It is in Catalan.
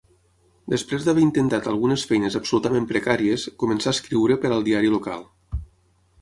Després d'haver intentat algunes feines absolutament precàries, començà a escriure per al diari local.